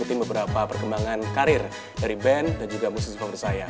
saya ingin mengikuti beberapa perkembangan karir dari band dan juga musik sukarelu saya